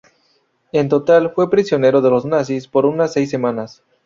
En total, fue prisionero de los nazis por unas seis semanas.